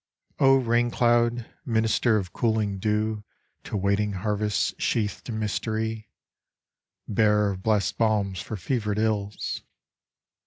O rain cloud, minister of cooling dew To waiting harvests sheathed in mystery, Bearer of blessed balms for fevered ills!